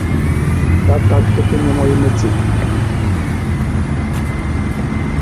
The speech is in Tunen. Ifendi, ŋguéngueli na ŋguéŋguel bá nenibé menyam o hinok, ŋgueŋgueli.